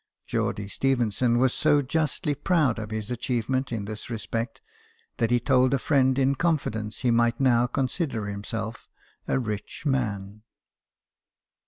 Geordie GEORGE STEPHENSON, ENGINE MAN. 37 Stephenson was so justly proud of his achieve ment in this respect that he told a friend in confidence he might now consider himself a rich man.